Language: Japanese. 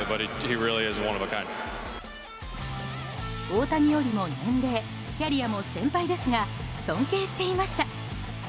大谷よりも年齢、キャリアも先輩ですが尊敬していました。